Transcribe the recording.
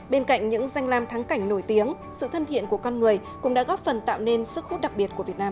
bên cạnh những danh lam thắng cảnh nổi tiếng sự thân thiện của con người cũng đã góp phần tạo nên sức hút đặc biệt của việt nam